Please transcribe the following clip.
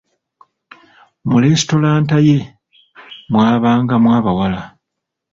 Mu lesitulanta ye mwabangamu abawala.